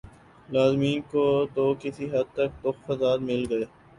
لازمین کو تو کسی حد تک تخفظات مل گئے